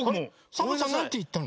サボさんなんていったの？